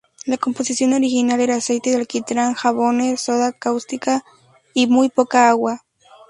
La composición original era aceite de alquitrán, jabones, soda cáustica, y muy poca agua.